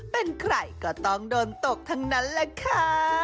เป็นใครก็ต้องโดนตกทั้งนั้นแหละค่ะ